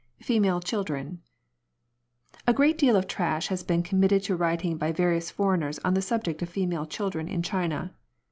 FEMALE CHILDREN, A GREAT deal of trash has been committed to writing by various foreigners on the subject of female children in China.